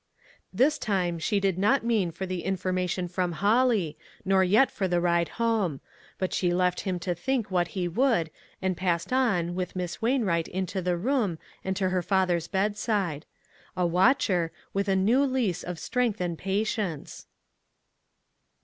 This time she did not mean for the in ONE COMMONPLACE DAY. formation from Holly, nor yet for the ride home, but she left him. to think what he would, and passed on, with Miss Wainwright into the room, and to her father's bedside ; a watcher, with a new lease of strength and patience.